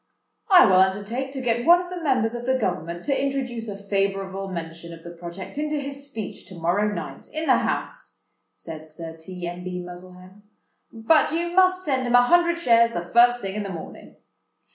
"I will undertake to get one of the members of the government to introduce a favourable mention of the project into his speech to morrow night, in the House," said Sir T. M. B. Muzzlehem: "but you must send him a hundred shares the first thing in the morning."